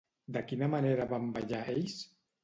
De quina manera van ballar ells?